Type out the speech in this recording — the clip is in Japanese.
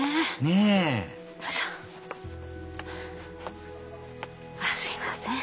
ねぇすいません。